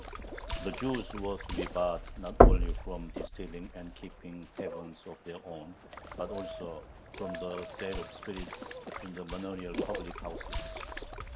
The Jews were to be barred not only from distilling and keeping taverns of their own, but also from the sale of spirits in the manorial public houses.